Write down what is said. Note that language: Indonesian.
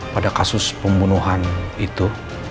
pada kasus pembunuhan itu